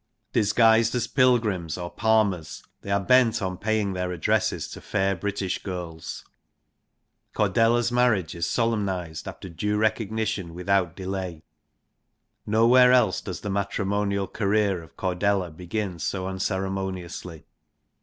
Disguised as pilgrims or palmers they are bent on paying their addresses to fair British girls. Cordelia's marriage is solemnised after due recognition without delay. Nowhere else does the matri monial career of Cordelia begin so unceremoniously.